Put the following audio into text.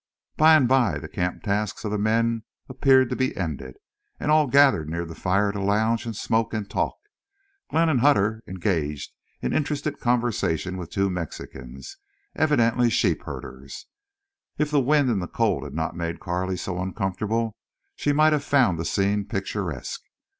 By and by the camp tasks of the men appeared to be ended, and all gathered near the fire to lounge and smoke and talk. Glenn and Hutter engaged in interested conversation with two Mexicans, evidently sheep herders. If the wind and cold had not made Carley so uncomfortable she might have found the scene picturesque.